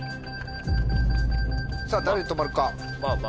さぁ誰に止まるか？